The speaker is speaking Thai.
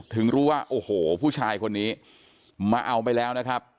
ถึงรู้ว่าโอ้โหผู้ชายคนนี้มาเอาไปแล้วนะครับ